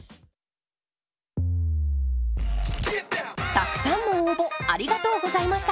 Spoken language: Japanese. たくさんの応募ありがとうございました。